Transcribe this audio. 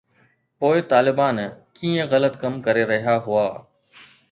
پوءِ طالبان ڪيئن غلط ڪم ڪري رهيا هئا؟